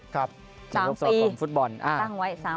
ครับ๓ปีตั้งไว้๓ปี